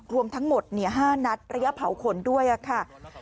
รวมทั้งหมด๕นัดระยะเผาขนด้วยค่ะ